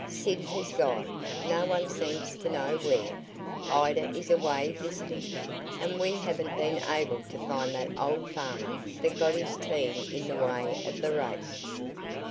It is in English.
Sid has gone no one seems to know where Ida is away visiting, and we haven't been able to find that old farmer that got his team in the way of the race.